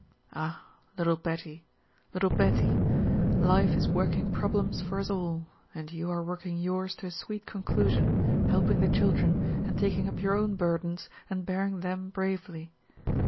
Ah, little Betty! little Betty! Life is working problems for us all, and you are working yours to a sweet conclusion, helping the children, and taking up your own burdens and bearing them bravely.